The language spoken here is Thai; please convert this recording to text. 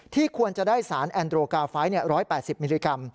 ควรจะได้สารแอนโดรกาไฟต์๑๘๐มิลลิกรัม